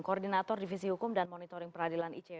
koordinator divisi hukum dan monitoring peradilan icw